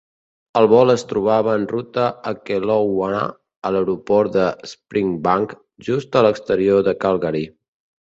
El vol es trobava en ruta de Kelowna a l'aeroport de Springbank, just a l'exterior de Calgary.